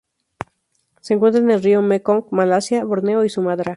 Se encuentra en el río Mekong, Malasia, Borneo y Sumatra.